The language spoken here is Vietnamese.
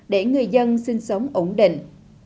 để người dân sinh sống ổn định